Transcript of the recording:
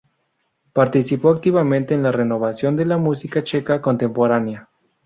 Participó activamente en la renovación de la música checa contemporánea.